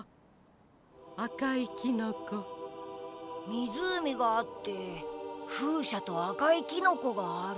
みずうみがあってふうしゃとあかいキノコがある。